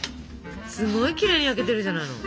すごいきれいに焼けてるじゃないの。